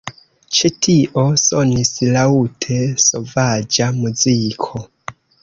Ĉe tio sonis laŭte sovaĝa muziko.